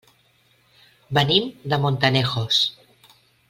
Venim de Montanejos.